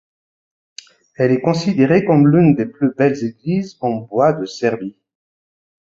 Elle est considérée comme l'une des plus belles églises en bois de Serbie.